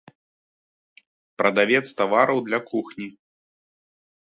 Прадавец тавараў для кухні.